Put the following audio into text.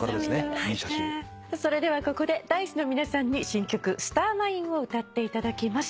それではここでＤａ−ｉＣＥの皆さんに新曲『スターマイン』を歌っていただきます。